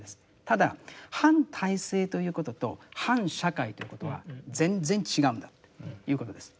ただ反体制ということと反社会ということは全然違うんだということです。